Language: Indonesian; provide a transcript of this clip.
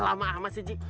lama lama sih ji